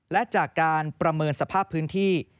และจากการประเมินสภาพพื้นที่